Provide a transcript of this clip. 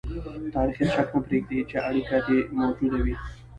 تاریخ هېڅ شک نه پرېږدي چې اړیکه دې موجوده وي.